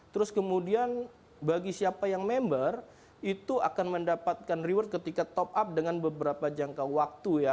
terus kemudian bagi siapa yang member itu akan mendapatkan reward ketika top up dengan beberapa jangka waktu ya